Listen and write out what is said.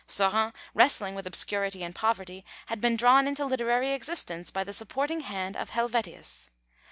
Saurin, wrestling with obscurity and poverty, had been drawn into literary existence by the supporting hand of Helvetius.